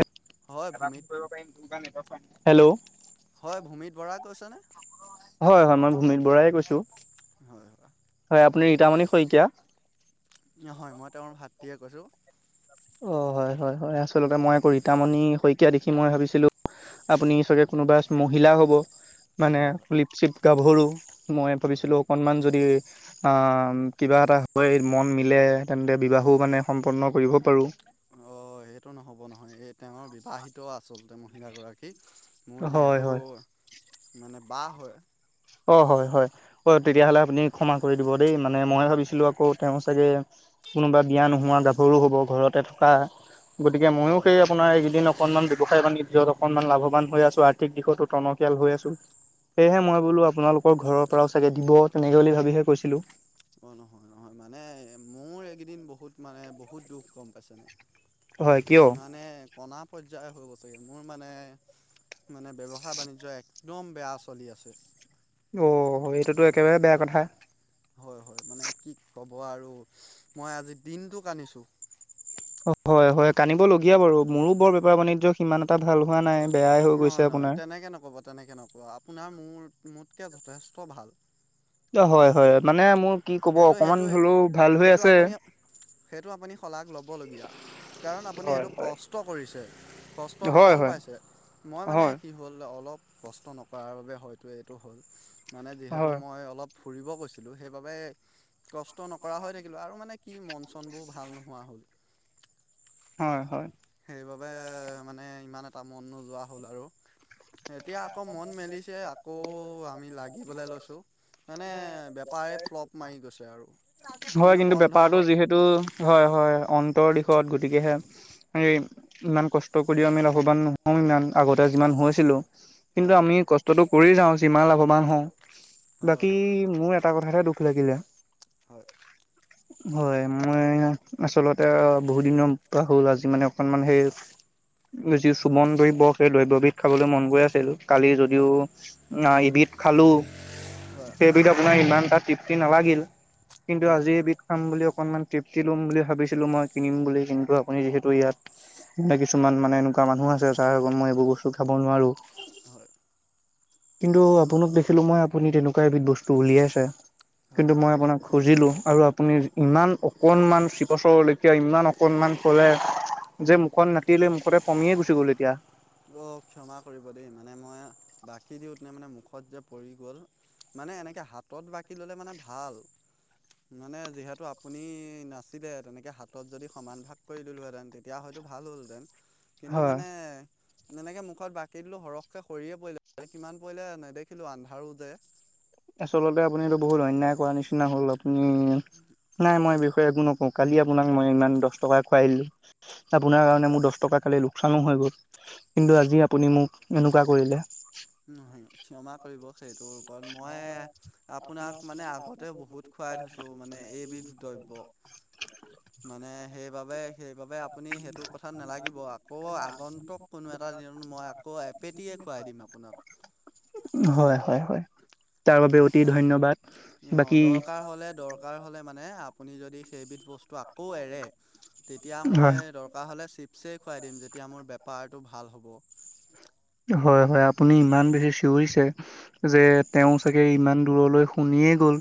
এটা হয় ভূমিত ফোন কৰিব পাৰিম দে হেল্ল', হয় ভূমিত বৰাই কৈছেনে। হয় হয় মই ভূমিত বৰায় কৈছো। হয় হয়। হয় আপুনি ৰীতামণি শইকীয়া। নহয় মই তেওঁৰ ভাতৃয়ে কৈছোঁ। অ হয় হয় হয় আচলতে মই আকৌ ৰীতামণি শইকীয়া দেখি মই ভাবিছিলো। আপুনি চাগে কোনোবা মহিলা হ'ব মানে হয় হয় লিপচিপ, গাভৰু মই হয় ভাবিছিলোঁ হয় অকণমান যদি আহ কিবা এটা হৈ মন মিলে তেন্তে বিবাহো মানে সম্পন্ন কৰিব পাৰো। অ সেইটো ন'ব নহয় এই তেওঁৰ বিবাহিত আচলতে মহিলাগৰাকী মোৰ হয় যিহেতু। হয় মানে বা হয়। অঁ হয় হয় অ তেতিয়াহ'লে আপুনি ক্ষমা কৰি দিব দেই মানে ময়ে ভাবিছিলোঁ আকৌ তেওঁ চাগে, কোনোবা বিয়া নোহোৱা গাভৰু হব ঘৰতে থকা গতিকে ময়ো হয় সেই আপোনাৰ এইকেইদিন অকনমান ব্যয়ৱসায় বাণিজ্যত অকনমান লাভৱান হৈ আছো আৰ্থিক দিশতো টনকিয়াল হৈ আছো। সেয়েহে মই বোলো আপোনালোকৰ ঘৰৰ পৰাও চাগে দিব তেনেকে বুলি ভাবিহে কৈছিলো। অ নহয় নহয় মানে মোৰ এইকেইদিন বহুত মানে বহুত দুখ গম পাইছেনে। হয় কিয় মানে কনা পৰ্যায় হৈ গৈছেগে মোৰ মানে মানে ব্যৱসায় বাণিজ্য একদম বেয়া চলি আছে। অ এইটোতো একেবাৰে বেয়া কি কথা। হয় হয় মানে কি ক'ব আৰু মই আজি দিনটো কান্দিছোঁ। হয় হয় কান্দিব লগীয়া বাৰু মোৰো বৰ বেপাৰ বাণিজ্য সিমান এটা ভাল হোৱা নাই। বেয়াই হৈ গৈছে নহয় নহয় আপোনাৰ তেনেকে নক'ব তেনেকে নক'ব আপোনাৰ মোৰ মোতকৈ যথেষ্ট ভাল। হয় হয় মানে মোৰ কি ক'ব সেইটো অকমান সেইটো হলো ভাল হৈ সেইটো আছে। আপুনি সেইটো আপুনি শলাগ ল'বলগীয়া। কাৰণ আপুনি হয় সেইটো হয় কষ্ট কৰিছে কষ্টৰ হয় ফল হয় পাইছে মই মানে হয় কি হ'ল অলপ কষ্ট নকৰাৰ বাবে হয়তো এইটো হ'ল মানে যিহেতু হয় মই অলপ ফুৰিব গৈছিলোঁ সেইবাবে কষ্ট নকৰা হৈ থাকিলোঁ আৰু মানে কি মন চনবোৰ ভাল নোহোৱা হ'ল। হয় হয়। সেইবাবে মানে ইমান এটা মন নোযোৱা হ'ল আৰু এতিয়া আকৌ মন মেলিছে আকৌ আমি লাগিবলে লৈছো। মানে বেপাৰে ফ্লপ মাৰি গৈছে আৰু মানে বন্ধ হয়, টো হয় হয় অন্তৰ দিশত গতিকেহে সে ইমান কষ্ট কৰিও আমি লাভৱান নহওঁ ইমান আগতে যিমান হৈছিলো। কিন্তু হয় আমি কষ্টতটো কৰি যাওঁ যিমান লাভৱান হওঁ হয় বাকী হয়। মোৰ এটা কথাহে দুখ লাগিলে। হয়। হয় মই আচলতে বহুত দিনৰ পৰা হ'ল আজি মানে অকনমান সেই যি চুমন দ্ৰব্য সেই দ্ৰব্যবিধ খাবলৈ মন গৈ আ কালি যদিও হয় অ এবিধ খালোঁ হয় সেই বিধ আপোনাৰ ইমান এটা তৃপ্তি নালাগিল কিন্তু হয় আজি এবিধ খাম বুলি অকনমান তৃপ্তি লম বুলি ভাবিছিলো মই কিনিম বুলি কিন্তু আপুনি যিহেতু ইয়াত, এনে কিছুমান মানে এনেকুৱা মানুহ আছে যাৰ আগত মই এইবোৰ বস্তু খাব নোৱাৰো। হয়। কিন্তু আপোনাক দেখিলো মই আপুনি তেনেকুৱা এবিধ বস্তু উলিয়াইছে হয় কিন্তু মই আপোনাক। খুজিলোঁ আৰু আপুনি ইমান অকণমান চিপছৰ লৈকে ইমান অকণমান কৰে যে মুখখন নাতি লৈ মুখতে পমিয়ে গুচি গ'ল এতিয়া। অ ক্ষমা কৰিব দেই মানে মই বাকী দিওঁতে মানে মুখত যে পৰি গ'ল মানে এনেকে হাতত বাকি ল'লে মানে ভাল মানে যিহেতু আপুনি নাছিলে তেনেকে হাতত যদি সমান ভাগ কৰি দিলোহেঁতেন তে এতিয়া হয়তো ভাল হ'লহেঁতেন কিন্তু হয়, মানে এনেকে মুখত বাকী দিলোঁ সৰহকে সৰিয়ে পৰিলে কিমান পৰিলে নেদেখিলোঁ আন্ধাৰো যে আচলতে আপুনিটো বহুত অন্যায় কৰা নিচিনা হ'ল আপুনি নাই মই এই বিষয়ে একো নকওঁ। কালি আপোনাক মই ইমান দহ টকা খুৱাই দিলোঁ আপোনাৰ কাৰণে মোৰ দহ টকা কালিলো লোকচানো হৈ গ'ল। কিন্তু আজি আপুনি মোক এনেকুৱা কৰিলে। নহয় ক্ষয়মা কৰিব সেইটো মই আপোনাক মানে আগতে বহুত খুৱাই থৈছোঁ মানে এইবিধ দ্ৰব্য মানে সেইবাবে সেইবাবে আপুনি সেইটো কথাত নালাগিব আকৌ আগন্তুক কোনো এটা দিনত মই আকৌ এপেটিয়ে খুৱাই দিম আপোনাক। হয় হয় হয়। তাৰ বাবে অতি মান ধন্যবাদ। অ বাকী দৰকাৰ হ'লে দৰ দৰকাৰ হ'লে মানে আপুনি যদি সেইবিধ বস্তু আকৌ এৰে তেতিয়া মই হয় দৰ থকা হ'লে চিপছেই খুৱাই দিম যেতিয়া মোৰ বেপাৰটো ভাল হ'ব। হয় হয় আপুনি ইমান বেছি চিঞৰিছে যে তেওঁ চাগে ইমান দূৰলৈ শুনিয়েই গ'ল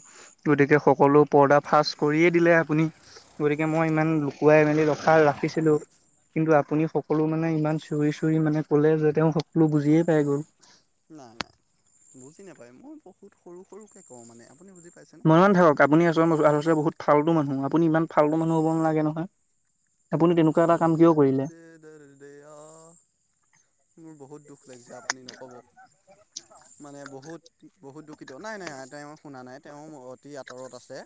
গতিকে সকলো পৰ্দা ফাৰ্ষ্ট কৰিয়েই দিলে আপুনি গতিকে মই ইমান লুকুৱাই মেলি ৰখা ৰা ৰাখিছিলোঁ কিন্তু আপুনি সকলো মানে ইমান চিঞৰি চিঞৰি মানে কলে যে তেওঁ বুজিয়েই পাই গ'ল। নাই নাই বুজি নাপায় মই বহুত সৰু সৰুকে কওঁ মানে আপুনি বুজি পাইছে। ইমান থাকক আপুনি আচল বহুত ফালটো মানুহ আপুনি ইমান ফালটো মানুহ হ'ব নালাগে নহয়। আপুনি তেনেকুৱা এটা কাম কিয় কৰিলে? দে দেইয়া মোৰ বহুত দুখ লাগিছে আপুনি নক'ব, মানে বহুত বহুত দুখিত নাই নাই তেওঁ শুনা নাই তেওঁ অতি আঁতৰত আছে,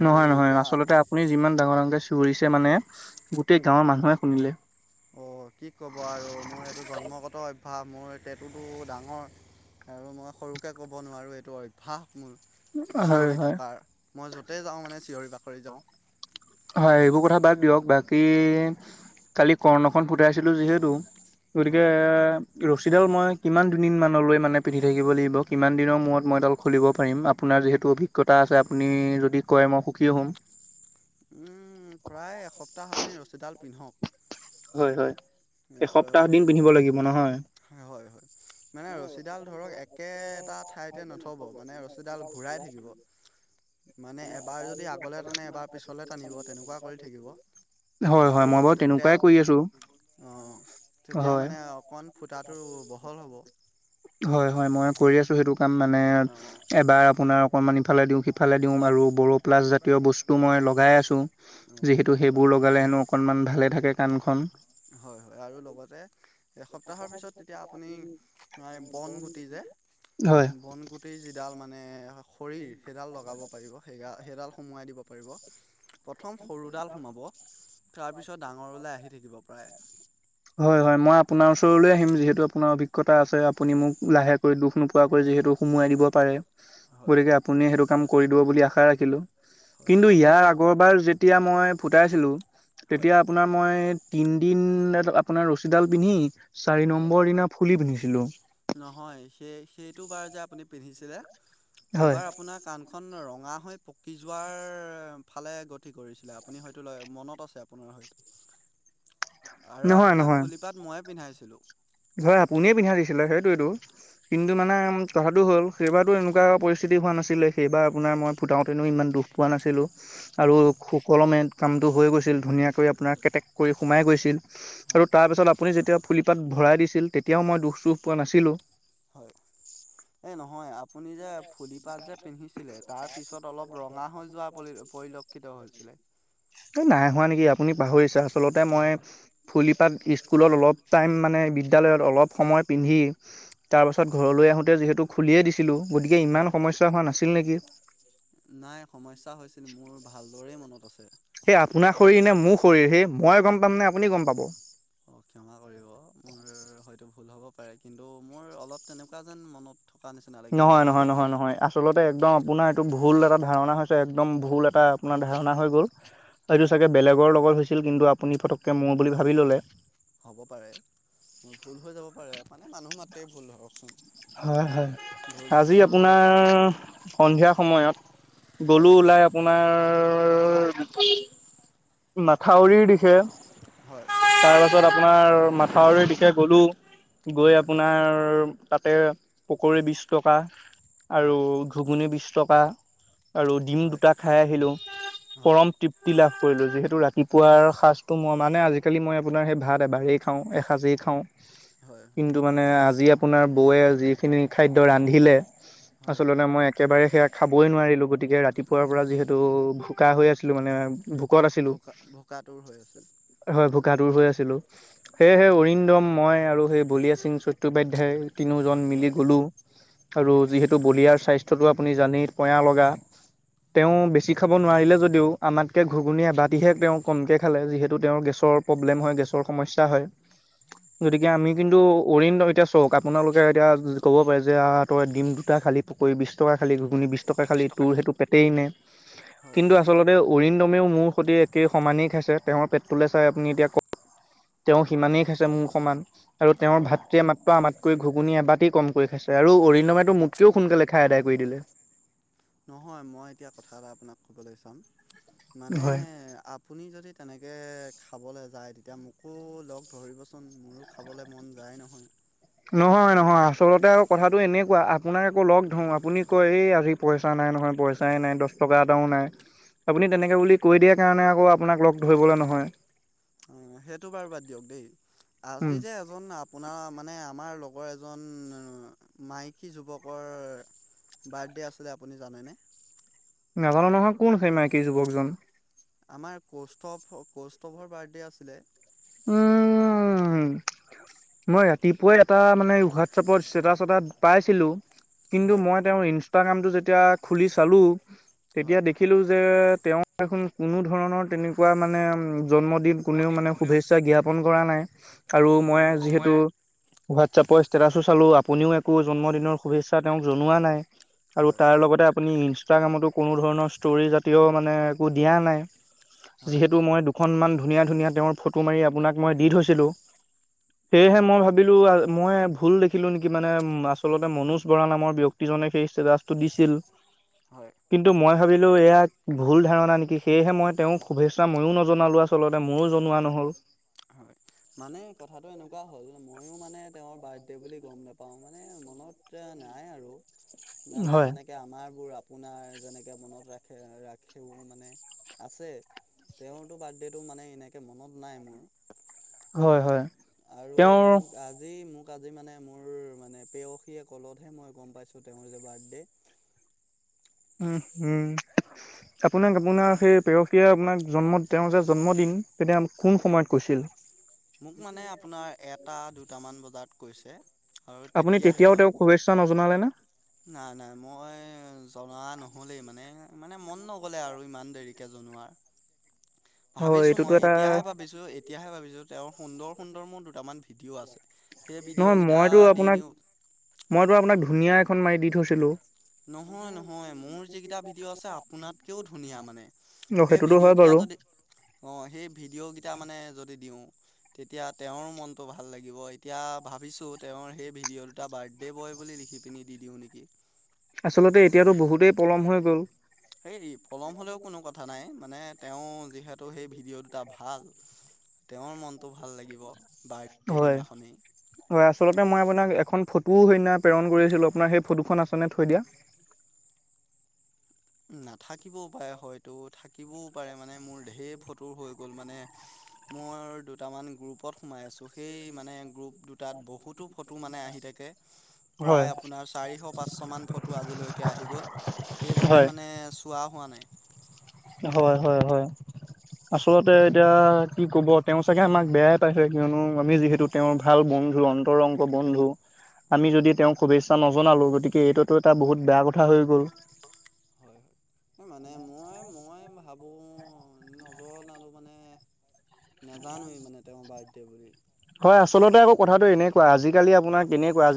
হেৰি নহয় নহয় এতিয়া আচলতে আপুনি যিমান ডাঙৰ ডাঙৰকে চিঞৰিছে মানে গোটেই গাঁৱৰ মানুহে শুনিলে, অ কি ক'ব আৰু মোৰ এইটো জন্মগত অভ্যাস মোৰটেটুটো ডাঙৰ, আৰু মই সৰুকে ক'ব নোৱাৰোঁ এইটো অভ্যাস মোৰ, হয় চিঞৰি হয় থকাৰ মই য'তে যাওঁ মানে চিঞৰি বাখৰি যাওঁ, হয় এইবোৰ কথা বাদ দিয়ক বাকী কালি কৰ্ণখন ফুটাইছিলোঁ যিহেতু, গতিকে, হয় ৰছীডাল মই কিমান দুদিনমানলৈ মানে পিন্ধি থাকিব লাগিব কিমান দিনৰ মূৰত মইডাল খুলিব পাৰিম আপোনাৰ যিহেতু অভিজ্ঞতা আছে আপুনি যদি কয় মই সুখী হ'ম, উম উম প্ৰায় এসপ্তাহ আপুনি ৰছীডাল পিন্ধক, হয় হয় এসপ্তাহ দিন ৰছী পিন্ধিব লাগিব নহয়, হয় হয় হয় মানে ৰছীডাল ধৰক একেটা ঠাইতে নথ'ব মানে ৰছীডাল ঘূৰাই থাকিব, মানে এবাৰ যদি আগলে টানে এবাৰ পিছলে টানিব তেনেকুৱা কৰি থাকিব, হয় আৰু হয় মই বাৰু লগতে তেনেক তেল অ তেতিয়া হয়। মানে অকণ ফুটাটো বহল হ'ব, হয় হয় মই কৰি আছোঁ সেইটো কাম মানে অঁ এবাৰ আপোনাৰ, অকণমান ইফালে দিওঁ সিফালে দিওঁ আৰু বড়'প্লাছ জাতীয় বস্তু মই লগাই আছোঁ, অঁ যিহেতু তেনেকুৱা সেইবোৰ লগালে হেনো অকনমান ভালে থাকে কাণখন, হয় হয় আৰু লগতে, এসপ্তাহৰ পিছত তেতিয়া আপুনি বনগুটি যে হয় বনগু টিৰ যিডাল মানে খৰি সেইডাল লগাব পাৰিব। সেই সেইডাল সোমোৱাই দিব পাৰিব প্ৰথম সৰুডাল সোমাব, তাৰ পিছত ডাঙৰলে আহি থাকিব প্ৰায়, হয় হয় মই আপোনাৰ ওচৰলৈ আহিম যিহেতু আপোনাৰ অভিজ্ঞতা আছে আপুনি মোক লাহেকৈ দুখ নো পোৱাকৈ যিহেতু সুমোৱাই দিব পাৰে, হয় হয় গতিকে আপুনি সেইটো কাম কৰি দিব বুলি আশা ৰাখিলো হয় কিন্তু ইয়াৰ আপোনাৰ আগৰবাৰ যেতিয়া মই ফুটাইছিলো হয় তেতিয়া, আপোনাৰ মই তিনদিনলে আপোনাৰ ৰছীডাল পিন্ধি চাৰি হয় নম্বৰ দিনা ফুলি পিন্ধিছিলো নহয় সেই সেইটো বাৰ যে আপুনি পিন্ধিছিলে হয় সেইবাৰ আপোনাক কাণখন ৰঙা হৈ পকি যোৱাৰ ফালে গতি কৰিছিলে আপুনি হয়তো মনত আছে আপোনাৰ হয়তো আৰু নহয় আপোনাক ফুলিপাট ময়ে পিন্ধাইছিলো। ধৰ আপুনিয়ে পিন্ধাই দিছিলে সেইটোৱেটো, কিন্তু মানে কথাটো হ'ল সেইবাৰতো এনেকোৱা পৰিস্থিতি হোৱা নাছিলে সেইবাৰ আপোনাৰ মই ফুটাওতেনো ইমান দুখ পোৱা নাছিলো। আৰু হয় সুকলমে কামটো হৈ গৈছিল ধুনীয়াকৈ আপোনাৰ কেটেক কৰি সোমাই গৈছিল আৰু হয় তাৰপাছত আপুনি যেতিয়া ফুলিপাত ভৰাই দিছিল তেতিয়াও মই দুখ চোখ পোৱা নাছিলো হয় এই নহয় আ পুনি যে ফুলিপাত যে পিন্ধিছিলে তাৰপিছত অলপ ৰঙা হৈ যোৱা পৰি পৰিলক্ষিত হৈছিলে। এই নাই হোৱা নেকি আপুনি পাহৰিছে আচলতে মই হ ফুলিপাত স্কুলত অলপ টাইম মানে বিদ্যালয়ত অলপ সময় পিন্ধি তাৰ পাছত ঘৰলৈ আহোতে যিহেতু খুলিয়েই দিছিলো গতিকে ইমান হয় সমস্যা হোৱা নাছিল নেকি নাই সমস্যা হৈছিল মোৰ ভাল দৰেই মনত আছে সেই আপোনাৰ শৰীৰ নে মোৰ শৰীৰ সেই মই গম পাম নে আপুনি গম পাব অ ক্ষমা কৰিব মোৰ হয়তো ভুল হ'ব পাৰে কিন্তু মোৰ অলপ তেনেকোৱা যেন মনত থকা নিচিনা লাগি যায় নহয় নহয় হয়তো, নহয় নহয় আচলতে একদম আপোনাৰ এইটো ভুল এটা ধাৰণা হৈছে একদম ভুল এটা আপোনাৰ ধাৰণা হৈ গ'ল এইটো হয় চাগে বেলেগৰ লগত হৈছিল কিন্তু আপুনি পতককে মোৰ বুলি ভাবি ললে হ'ব পাৰে মোৰ ভুল হৈ যাব পাৰে মানে মানুহ মাত্ৰেই ভুল ধৰকচোন হয় হয় ভুল আজি ভুল হয় আপোনাৰ সন্ধিয়া সময়ত, হয় গলো ওলাই আপোনাৰ মাথাউৰিৰ দিশে, হয় তাৰ পাছত আপোনাৰ মাথাউৰি দিশে গলো গৈ হয় আপোনাৰ তাতে পকৰী বিশ টকা আৰু হয় ঘুগুনী বিশ টকা আৰু ডিম হয় দুটা খাই আহিলো হয় পৰম তৃপ্তি লাভ কৰিলো যিহেতু ৰাতিপুৱাৰ সাজটো মই মানে আজিকালি মই আপোনাৰ সেই ভাত এবাৰেই খাও এসাঁজেই খাও হয় কিন্তু মানে আজি আপোনাৰ বৌৱে যিখিনি খাদ্য ৰান্ধিলে হয় আচলতে মই একেবাৰে সেয়া খাবই নোৱাৰিলো গতিকে ৰাতিপুৱাৰ পৰা যিহেতু ভোক ভোকা হৈ আছিলো মানে ভোকত আছিলো ভোকা ভোকাতুৰ হৈ আছিল হয় ভোকাতুৰ হৈ আছিলো সেয়েহে অৰিন্দম মই আৰু সেই বলিয়া সিং চট্টোপাধ্যায় তিনিওজন মিলি হয় গলো আৰু যিহেতু বলিয়াৰ স্বাস্থ্যটো আপুনি জানেই পয়া লগা তেওঁ হয় বেছি খাব নোৱাৰিলে যদিও আমাতকৈ ঘুগুনী এবাতিহে তেওঁ কমকৈ খালে যিহেতু তেওঁৰ গেছৰ প্ৰব্লেম হয় গেছৰ সমস্যা হয় গতিকে আমি হয় কিন্তু অৰিণদ্যম এতিয়া চাওক আপোনালোকে এতিয়া ক'ব পাৰে যে আ তই ডিম দুটা খালী পকৰি বিশ টকা খালী ঘুগুনি বিছ টকা খালী। তোৰ সেইটো পেটেই নে? হয় কিন্তু আচলতে অৰিন্দমেও মোৰ সৈতে একেই সমানেই খাইছে তেওঁৰ পেটটোলৈ চাই আপুনি এতিয়া ক তেওঁ সিমানেই খাইছে মোৰ সমান আৰু তেওঁৰ হয় ভাতৃয়ে মাত্ৰ আমাতকৈ ঘুগুনি এবাটতেই কম কৰি খাইছে আৰু অৰিণময়টো মু কিয় সোনকালে খাই আদায় কৰি দিলে। নহয় মই এতিয়া কথা এটা আপোনাক কবলে চাম মানে হয় আপ আপুনি যদি তেনেকৈ খাবলৈ যায় তেতিয়া মোকো লগ ধৰিবচোন মোৰো খাবলৈ মন যায় নহয়। নহয় - নহয় আচলতে আৰু কথাটো এনেকুৱা আপোনাক আকৌ লগ ধৰো আপুনি কয় এই আজি পইচা নাই নহয় পইচাই নাই দহ টকা এটাও নাই। আপুনি তেনেকৈ বুলি কৈ দিয়াৰ কাৰণে আকৌ আপোনাক লগ ধৰিবলৈ নহয়। অ, সেইটো বাৰু বাদ দিয়ক দেই উম আজি যে আপোনাৰ মানে আমাৰ লগৰ এজন মাইকী যুৱকৰ বাৰ্থডে আছিলে আপুনি জানেনে? নাজানো নহয় কোন খে মাইকী যুৱকজন। আমাৰ কৌষ্ঠৱ - কৌষ্ঠৱ বাৰ্থডে' আছিলে। উম, মই ৰাতিপুৱাই এটা মানে হোৱাটছএপত ষ্টেটাচ এটা পাইছিলো। কিন্তু হয় মই তেওঁৰ ইনষ্টাগ্ৰামটো যেতিয়া খুলি চালো। তেতিয়া হয় দেখিলো যে তেওঁ এখন কোনো ধৰণৰ তেনেকুৱা মানে জন্মদিন কোনেও মানে শুভেচ্ছা জ্ঞাপন কৰা নাই আৰু মই অ' যিহেতু হয় হোৱাটছেপৰ ষ্টেটাছো চালো আপুনিও একো জন্মদিনৰ শুভেচ্ছা তেওঁক জনোৱা নাই। আৰু তাৰ হয় লগতে আপুনি ইনষ্টাগ্ৰামতো কোনো ধৰণৰ ষ্টৰীজাতীয় মানে একো দিয়া নাই। যিহেতু মই দুখনমান ধুনীয়া - ধুনীয়া তেওঁৰ ফ মাৰি আপোনাক মই দি থৈছিলো সেয়েহে মই হয় ভাবিলো। কিন্তু মই ভুল দেখিলো নেকি মানে আচলতে মনোজ বৰা নামৰ ব্যক্তিজনে সেই ষ্টেটাছটো দিছিল। হয়। কিন্তু মই ভাবিলো এয়া ভুল ধাৰণা নেকি সেয়েহে মই তেওঁক শুভেচ্ছা ময়ো নজনালো। আচলতে মোৰো জনোৱা নহ'ল। হয় মানে কথাটো এনেকুৱা হল মই মময়ো মানে তেওঁৰ বাৰ্থডে' বুলি গম নাপাও মানে মনত নাই আৰু। মানে হয় যেনেকে আমাৰ বোৰ আপোনাৰ যেনেকে মনত ৰাখে ৰাখেও মানে আছে। তেওঁতো বাৰ্থডেটো মানে এনেকে মনত নাই মোৰ। হয়- হয়। আৰু তেওঁৰ মোক আজি মোক মোক আজি মানে মোৰ মানে পেয়সীয়ে কলতহে মই গম পাইছো তেওঁৰ যে বাৰ্থডে। উম-উম। আপোনাক - আপোনাৰ সেই পেৰসীয়ে আপোনাক জন্ম তেওঁৰ যে জন্মদিন তেতিয়া কোন সময়ত কৈছিল? মোক মানে আপোনাৰ এটা দুটামান বজাত কৈছে। আৰু আপুনি তেতিয়াহে তেতিয়াও মই তেওঁক শুভেচ্ছা নজনালে নে? নাই- নাই মই জনা নহলেই মানে মানে মন নগ'লে আৰু ইমান দেৰিকে জনোৱাৰ। হয় ভাবিছো এইটোতো মই এটা এতিয়াহে ভাবিছো। তেতিয়াহে ভাবিছোঁ তেওঁৰ সুন্দৰ - সুন্দৰ মোৰ দুটামান ভিডিঅ' আছে সেই নহয় ভিডিঅ'কেইটা মইতো দি আপোনাক দিও। মইতো আপোনাক ধুনীয়া এখন মাৰি দি থৈছিলো। নহয় - নহয় মোৰ যিকেইটা ভিডিঅ' আছে আপোনাতকেও ধুনীয়া মানে। অ, সেইটোতো হয় বাৰু। অ সেই ভিডিঅ কেইটা মানে যদি দিওঁ। তেতিয়া তেওঁৰ মনটো ভাল লাগিব এতিয়া ভাবিছো তেওঁৰ সেই ভিডিঅ দুটা বাৰ্থডে বয় বুলি লিখি, পিনি দি দিওঁ নেকি। আচলতে এতিয়াতো বহুতেই পলম হৈ গ'ল। হে পলম হ'লেও কোনো কথা নাই মানে তেওঁ যিহেতু সেই ভিডিঅ' দুটা ভাল। তেওঁৰ মনটো ভাল লাগিব। বাৰ্থডে হয়। দিনাখনেই হয় আচলতে মই আপোনাক এখন ফটোও সেইদিনা প্ৰেৰণ কৰি আছিলো আপোনাৰ সেই ফটোখন আছেনে থৈ দিয়া। নাথাকিবও পাৰে হয়তো থাকিবও পাৰে মানে মোৰ ঢেৰ ফটো হৈ গ'ল মানে। মোৰ দুটামান গ্ৰুপত সোমাই আছো সেই মানে গ্ৰুপটোত। তাত বহুতো ফটো মানে আহি থাকে হয়। প্ৰায় আপোনাৰ চাৰিশ পাঁচশমান ফটো আজিলৈকে আহি গ'ল। [unintelligible] সেইবাবে মানে চোৱা হোৱা নাই। হয় হয় হয়। আচলতে এতিয়া কি কব তেওঁ চাগে আমাক বেয়াই পাইছে কিয়নো আমি যিহেতু। তেওঁৰ ভাল বন্ধু অন্তৰংগ বন্ধু। আমি হয় যদি তেওঁক শুভেচ্ছা নজনালো গতিকে এইটোতো এটা হয় বহুত বেয়া কথা হৈ গ'ল। হয়, সে মানে মই মই ভাবোঁ নজ নালো মানে। নাজানোৱেই মানে তেওঁৰ বাৰ্থডে বুলি। হয় আচলতে আকৌ কথাটো এনেকুৱা আজিকালি আপোনাৰ কেনেকুৱা।